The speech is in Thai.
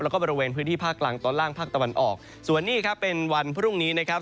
แล้วก็บริเวณพื้นที่ภาคกลางตอนล่างภาคตะวันออกส่วนนี้ครับเป็นวันพรุ่งนี้นะครับ